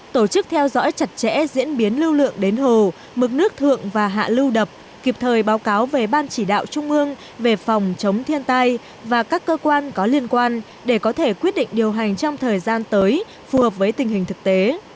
tổ chức theo dõi chặt chẽ diễn biến lưu lượng đến hồ mực nước thượng và hạ lưu đập kịp thời báo cáo về ban chỉ đạo trung ương về phòng chống thiên tai và các cơ quan có liên quan để có thể quyết định điều hành trong thời gian tới phù hợp với tình hình thực tế